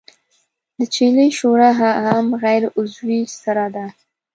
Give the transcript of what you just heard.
د چیلې شوره هم غیر عضوي سره ده.